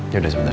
ya udah sebentar